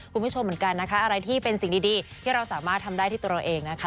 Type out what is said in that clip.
คุณผู้ชมเหมือนกันนะคะอะไรที่เป็นสิ่งดีที่เราสามารถทำได้ที่ตัวเราเองนะคะ